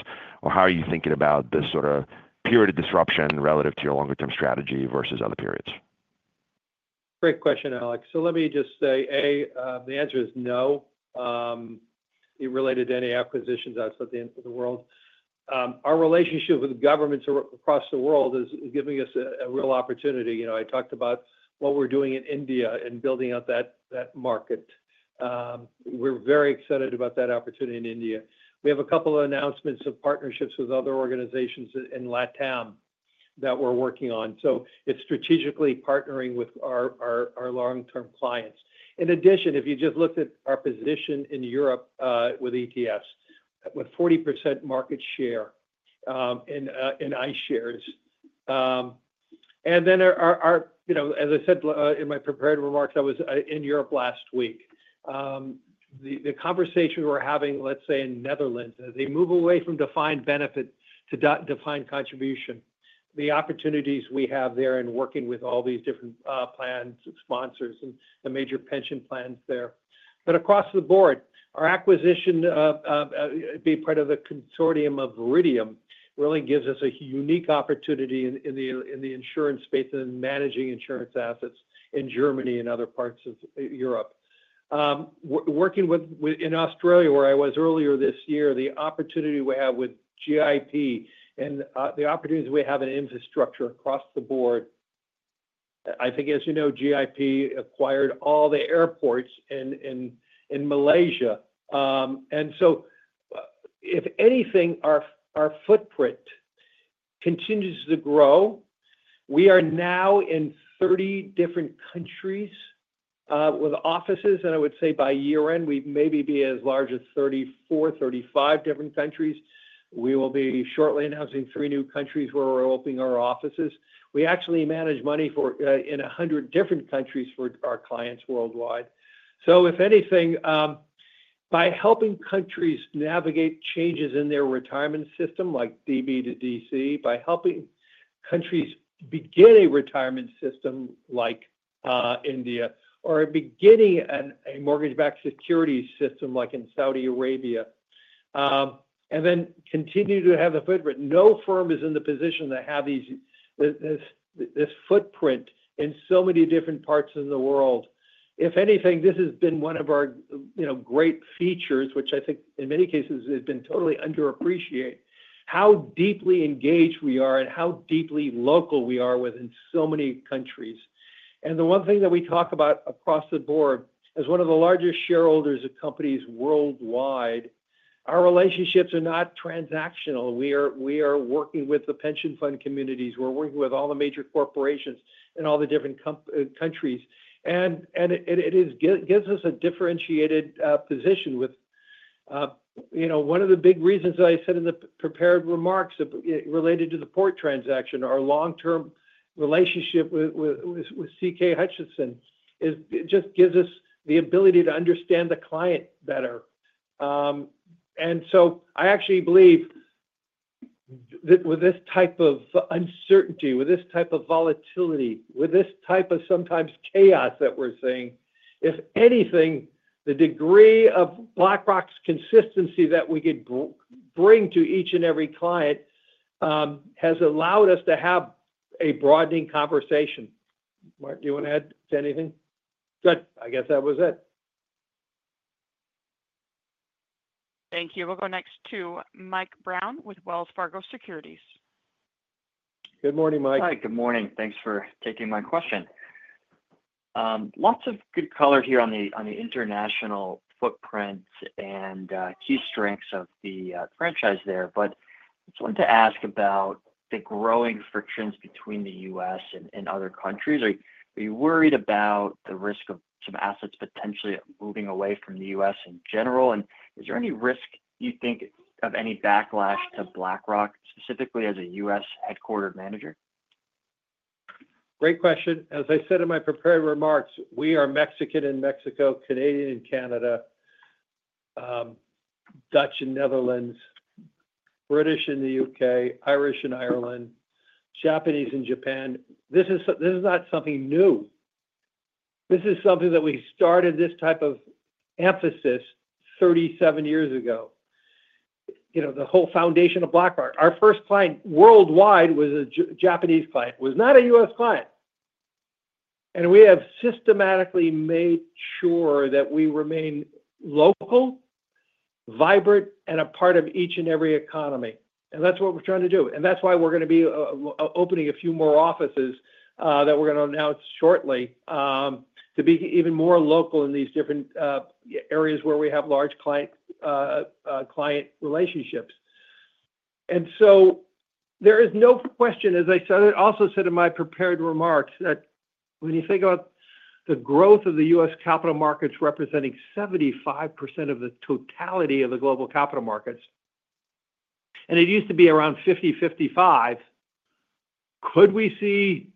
How are you thinking about this sort of period of disruption relative to your longer-term strategy versus other periods? Great question, Alex. Let me just say, A, the answer is no. Related to any acquisitions outside the world, our relationship with governments across the world is giving us a real opportunity. I talked about what we're doing in India and building out that market. We're very excited about that opportunity in India. We have a couple of announcements of partnerships with other organizations in LatAm that we're working on. It is strategically partnering with our long-term clients. In addition, if you just looked at our position in Europe with ETFs, with 40% market share in iShares. As I said in my prepared remarks, I was in Europe last week. The conversation we're having, let's say, in the Netherlands, as they move away from defined benefit to defined contribution, the opportunities we have there in working with all these different plans, sponsors, and major pension plans there. Across the board, our acquisition of being part of the consortium of Viridium really gives us a unique opportunity in the insurance space and managing insurance assets in Germany and other parts of Europe. Working in Australia, where I was earlier this year, the opportunity we have with GIP and the opportunities we have in infrastructure across the board. I think, as you know, GIP acquired all the airports in Malaysia. If anything, our footprint continues to grow. We are now in 30 different countries with offices. I would say by year-end, we may be as large as 34-35 different countries. We will be shortly announcing three new countries where we're opening our offices. We actually manage money in 100 different countries for our clients worldwide. If anything, by helping countries navigate changes in their retirement system like DB to DC, by helping countries begin a retirement system like India or beginning a mortgage-backed security system like in Saudi Arabia, and then continue to have the footprint. No firm is in the position to have this footprint in so many different parts of the world. If anything, this has been one of our great features, which I think in many cases has been totally underappreciated, how deeply engaged we are and how deeply local we are within so many countries. The one thing that we talk about across the board as one of the largest shareholders of companies worldwide, our relationships are not transactional. We are working with the pension fund communities. We are working with all the major corporations in all the different countries. It gives us a differentiated position. One of the big reasons that I said in the prepared remarks related to the port transaction, our long-term relationship with CK Hutchison just gives us the ability to understand the client better. I actually believe that with this type of uncertainty, with this type of volatility, with this type of sometimes chaos that we're seeing, if anything, the degree of BlackRock's consistency that we could bring to each and every client has allowed us to have a broadening conversation. Martin, do you want to add to anything? Good. I guess that was it. Thank you. We'll go next to Mike Brown with Wells Fargo Securities. Good morning, Mike. Hi. Good morning. Thanks for taking my question. Lots of good color here on the international footprint and key strengths of the franchise there. I just wanted to ask about the growing frictions between the U.S. and other countries. Are you worried about the risk of some assets potentially moving away from the U.S. in general? Is there any risk you think of any backlash to BlackRock specifically as a U.S. headquartered manager? Great question. As I said in my prepared remarks, we are Mexican in Mexico, Canadian in Canada, Dutch in the Netherlands, British in the U.K., Irish in Ireland, Japanese in Japan. This is not something new. This is something that we started this type of emphasis 37 years ago. The whole foundation of BlackRock, our first client worldwide was a Japanese client, was not a U.S. client. We have systematically made sure that we remain local, vibrant, and a part of each and every economy. That is what we are trying to do. That is why we are going to be opening a few more offices that we are going to announce shortly to be even more local in these different areas where we have large client relationships. There is no question, as I also said in my prepared remarks, that when you think about the growth of the U.S. capital markets representing 75% of the totality of the global capital markets, and it used to be around 50-55, could we see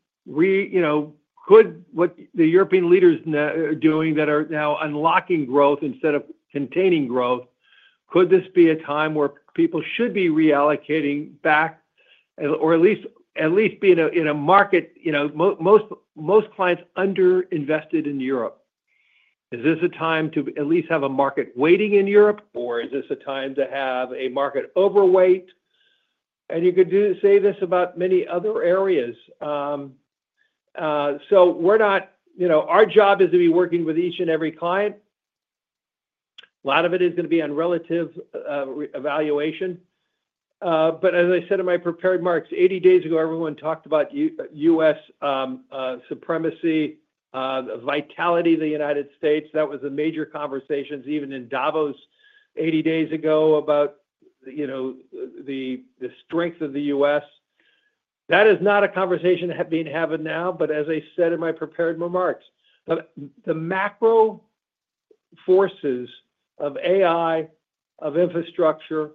what the European leaders are doing that are now unlocking growth instead of containing growth? Could this be a time where people should be reallocating back or at least be in a market most clients underinvested in Europe? Is this a time to at least have a market weighting in Europe, or is this a time to have a market overweight? You could say this about many other areas. Our job is to be working with each and every client. A lot of it is going to be on relative evaluation. As I said in my prepared remarks, 80 days ago, everyone talked about U.S. supremacy, the vitality of the United States. That was the major conversation even in Davos 80 days ago about the strength of the U.S. That is not a conversation being had now, but as I said in my prepared remarks, the macro forces of AI, of infrastructure,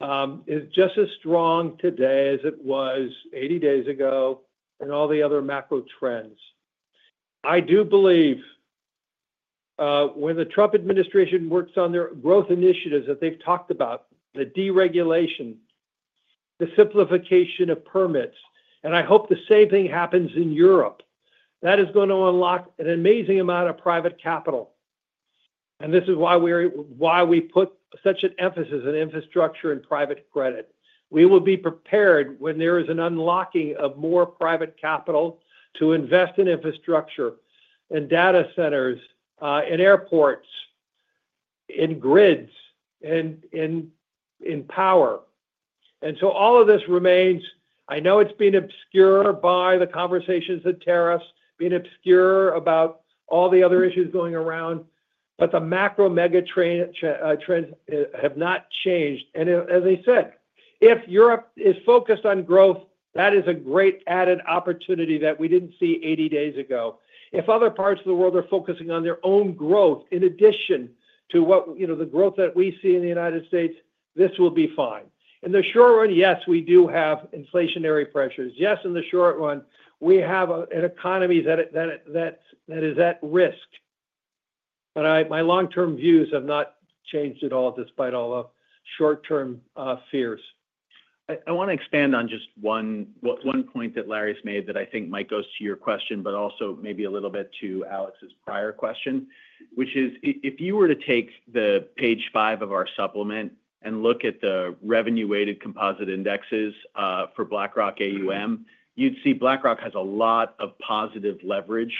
are just as strong today as they were 80 days ago and all the other macro trends. I do believe when the Trump administration works on their growth initiatives that they've talked about, the deregulation, the simplification of permits, and I hope the same thing happens in Europe. That is going to unlock an amazing amount of private capital. This is why we put such an emphasis on infrastructure and private credit. We will be prepared when there is an unlocking of more private capital to invest in infrastructure and data centers and airports and grids and power. All of this remains. I know it's been obscured by the conversations of tariffs, been obscured about all the other issues going around, but the macro mega trends have not changed. As I said, if Europe is focused on growth, that is a great added opportunity that we didn't see 80 days ago. If other parts of the world are focusing on their own growth in addition to the growth that we see in the United States, this will be fine. In the short run, yes, we do have inflationary pressures. Yes, in the short run, we have an economy that is at risk. My long-term views have not changed at all despite all the short-term fears. I want to expand on just one point that Larry has made that I think might go to your question, but also maybe a little bit to Alex's prior question, which is if you were to take the page five of our supplement and look at the revenue-weighted composite indexes for BlackRock AUM, you'd see BlackRock has a lot of positive leverage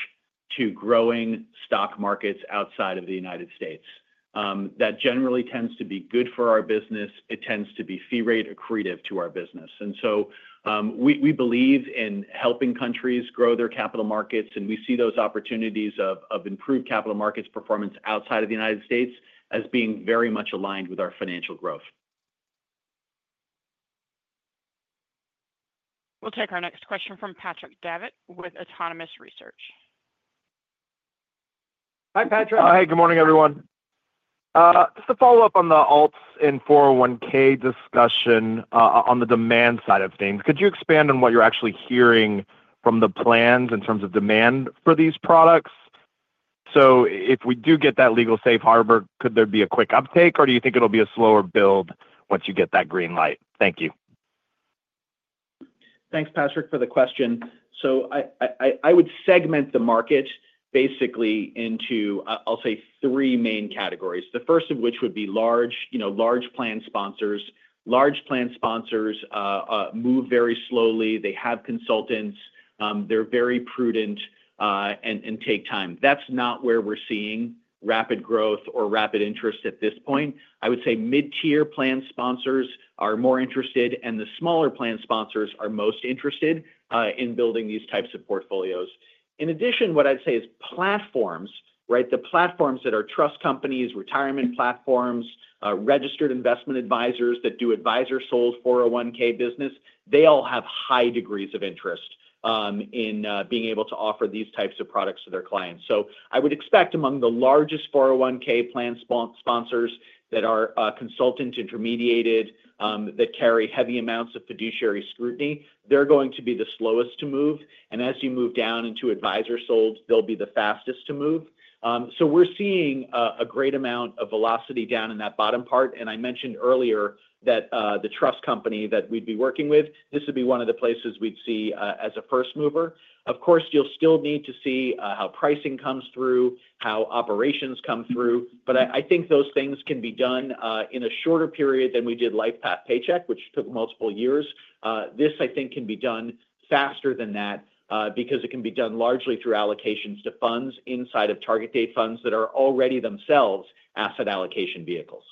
to growing stock markets outside of the U.S. That generally tends to be good for our business. It tends to be fee-rate accretive to our business. We believe in helping countries grow their capital markets, and we see those opportunities of improved capital markets performance outside of the U.S. as being very much aligned with our financial growth. We'll take our next question from Patrick Davitt with Autonomous Research. Hi, Patrick. Hi. Good morning, everyone. Just to follow up on the alts and 401(k) discussion on the demand side of things, could you expand on what you're actually hearing from the plans in terms of demand for these products? If we do get that legal safe harbor, could there be a quick uptake, or do you think it'll be a slower build once you get that green light? Thank you. Thanks, Patrick, for the question. I would segment the market basically into, I'll say, three main categories, the first of which would be large plan sponsors. Large plan sponsors move very slowly. They have consultants. They're very prudent and take time. That's not where we're seeing rapid growth or rapid interest at this point. I would say mid-tier plan sponsors are more interested, and the smaller plan sponsors are most interested in building these types of portfolios. In addition, what I'd say is platforms, right? The platforms that are trust companies, retirement platforms, registered investment advisors that do advisor-sold 401(k) business, they all have high degrees of interest in being able to offer these types of products to their clients. I would expect among the largest 401(k) plan sponsors that are consultant intermediated, that carry heavy amounts of fiduciary scrutiny, they're going to be the slowest to move. As you move down into advisor-sold, they'll be the fastest to move. We're seeing a great amount of velocity down in that bottom part. I mentioned earlier that the trust company that we'd be working with, this would be one of the places we'd see as a first mover. Of course, you'll still need to see how pricing comes through, how operations come through. I think those things can be done in a shorter period than we did LifePath Paycheck, which took multiple years. This, I think, can be done faster than that because it can be done largely through allocations to funds inside of target date funds that are already themselves asset allocation vehicles.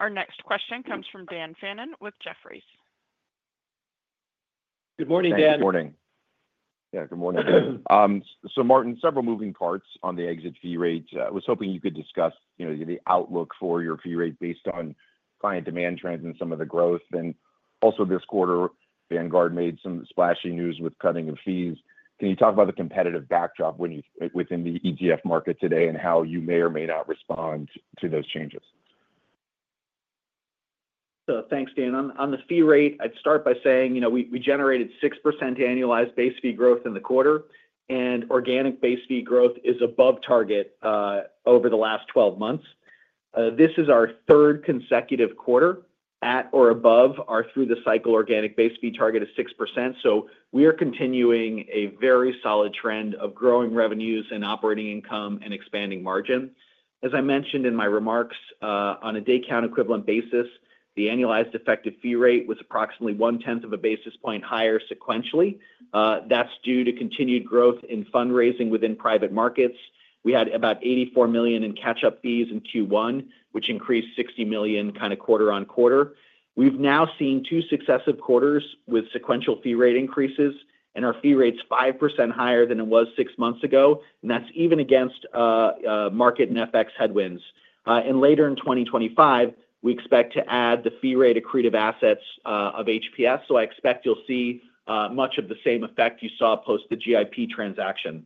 Our next question comes from Dan Fannon with Jefferies. Good morning, Dan. Morning. Yeah, good morning. Martin, several moving parts on the exit fee rate. I was hoping you could discuss the outlook for your fee rate based on client demand trends and some of the growth. Also this quarter, Vanguard made some splashy news with cutting of fees. Can you talk about the competitive backdrop within the ETF market today and how you may or may not respond to those changes? Thanks, Dan. On the fee rate, I'd start by saying we generated 6% annualized base fee growth in the quarter, and organic base fee growth is above target over the last 12 months. This is our third consecutive quarter at or above our through-the-cycle organic base fee target of 6%. We are continuing a very solid trend of growing revenues and operating income and expanding margin. As I mentioned in my remarks, on a day-count equivalent basis, the annualized effective fee rate was approximately one-tenth of a basis point higher sequentially. That's due to continued growth in fundraising within private markets. We had about $84 million in catch-up fees in Q1, which increased $60 million kind of quarter-on-quarter. We've now seen two successive quarters with sequential fee rate increases, and our fee rate's 5% higher than it was six months ago. That's even against market and FX headwinds. Later in 2025, we expect to add the fee rate accretive assets of HPS. I expect you'll see much of the same effect you saw post the GIP transaction.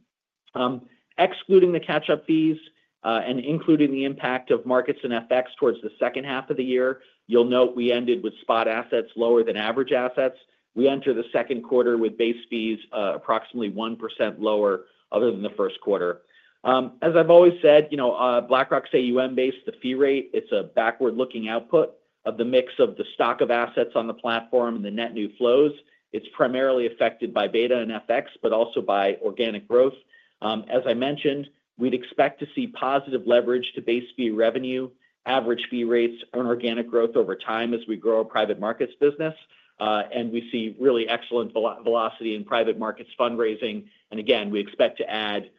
Excluding the catch-up fees and including the impact of markets and FX towards the second half of the year, you'll note we ended with spot assets lower than average assets. We enter the second quarter with base fees approximately 1% lower other than the first quarter. As I've always said, BlackRock's AUM base, the fee rate, it's a backward-looking output of the mix of the stock of assets on the platform and the net new flows. It's primarily affected by beta and FX, but also by organic growth. As I mentioned, we'd expect to see positive leverage to base fee revenue, average fee rates, and organic growth over time as we grow a private markets business. We see really excellent velocity in private markets fundraising. We expect to add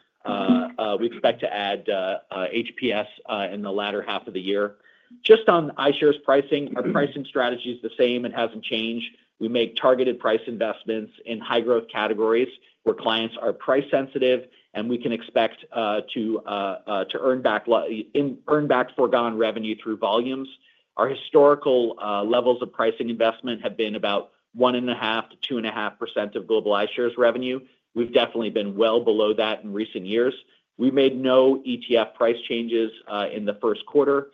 HPS in the latter half of the year. Just on iShares pricing, our pricing strategy is the same and has not changed. We make targeted price investments in high-growth categories where clients are price-sensitive, and we can expect to earn back forgone revenue through volumes. Our historical levels of pricing investment have been about 1.5%-2.5% of global iShares revenue. We have definitely been well below that in recent years. We made no ETF price changes in the first quarter.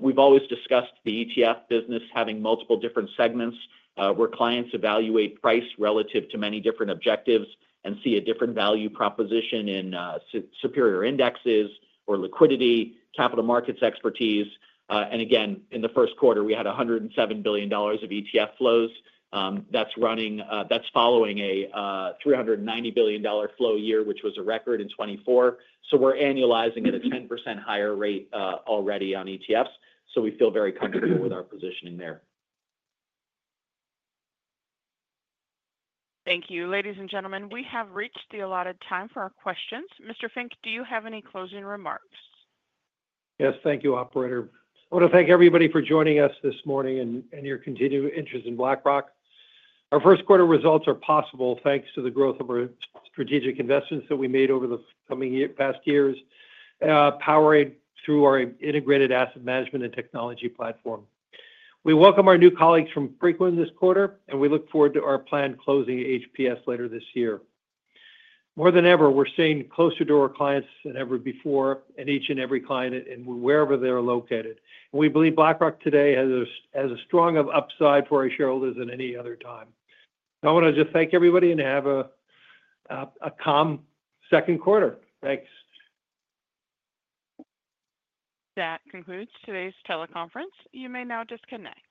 We have always discussed the ETF business having multiple different segments where clients evaluate price relative to many different objectives and see a different value proposition in superior indexes or liquidity, capital markets expertise. In the first quarter, we had $107 billion of ETF flows. That's following a $390 billion flow year, which was a record in 2024. We are annualizing at a 10% higher rate already on ETFs. We feel very comfortable with our positioning there. Thank you. Ladies and gentlemen, we have reached the allotted time for our questions. Mr. Fink, do you have any closing remarks? Yes, thank you, Operator. I want to thank everybody for joining us this morning and your continued interest in BlackRock. Our first quarter results are possible thanks to the growth of our strategic investments that we made over the past years, powered through our integrated asset management and technology platform. We welcome our new colleagues from Preqin this quarter, and we look forward to our planned closing at HPS later this year. More than ever, we are staying closer to our clients than ever before and each and every client wherever they are located. We believe BlackRock today has as strong of upside for our shareholders as any other time. I want to just thank everybody and have a calm second quarter. Thanks. That concludes today's teleconference. You may now disconnect.